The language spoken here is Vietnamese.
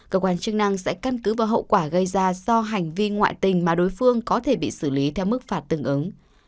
cơ quan chức năng sẽ căn cứ vào hậu quả gây ra do hành vi ngoại tình mà đối phương có thể bị xử lý theo mức phạt tương ứng